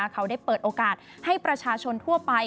เขาได้เปิดโอกาสให้ประชาชนทั่วไป